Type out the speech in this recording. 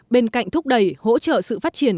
bên cạnh thúc đẩy hỗ trợ sự phát triển